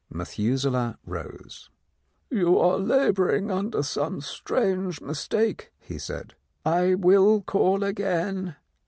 Methuselah rose. "You are labouring under some strange mistake," he said; "I will call again."